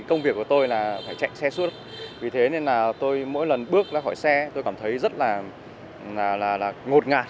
công việc của tôi là phải chạy xe suốt vì thế nên là tôi mỗi lần bước ra khỏi xe tôi cảm thấy rất là ngột ngạt